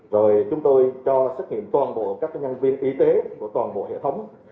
rồi chúng tôi cho xét nghiệm toàn bộ các nhân viên y tế của toàn bộ hệ thống